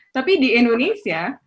tapi di indonesia